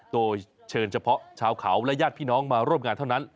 โดยเชิญเฉพาะชาวเขาและญาติพี่น้องมาร่วมงานเท่านั้น